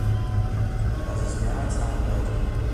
Das ist mehr als eindeutig.